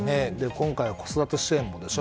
今回、子育て支援でしょ。